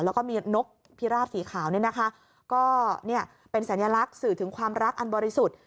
แล้วก็มีนกพิราบสีขาวเนี่ยนะคะก็เนี่ยเป็นสัญลักษณ์สื่อถึงความรักอันบริสุทธิ์